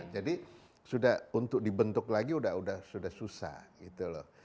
jadi sudah untuk dibentuk lagi sudah susah gitu loh